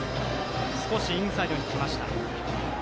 少し、インサイドにきました。